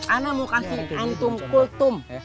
ana mau kasih antum kultum